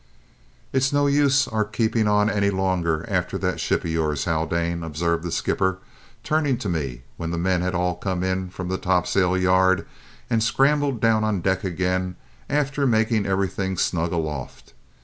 "It's no use our keeping on any longer after that ship of yours, Haldane," observed the skipper, turning to me when the men had all come in from the topsail yard and scrambled down on deck again after making everything snug aloft.